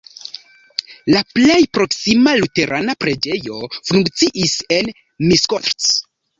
La plej proksima luterana preĝejo funkciis en Miskolc.